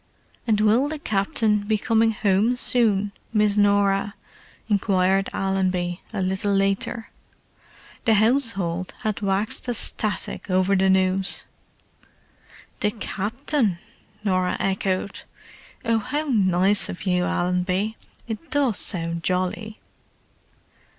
"And will the Captain be coming 'ome soon, Miss Norah?" inquired Allenby, a little later. The household had waxed ecstatic over the news. "The Captain?" Norah echoed. "Oh, how nice of you, Allenby! It does sound jolly!"